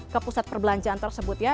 ke pusat perbelanjaan tersebut ya